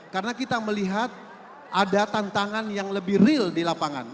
karena kita melihat ada tantangan yang lebih real di lapangan